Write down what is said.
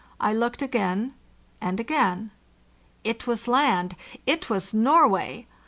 I looked again and again. It was land, it was Norway!